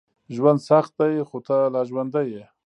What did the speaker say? ژوند سخت ده، خو ته لا ژوندی یې.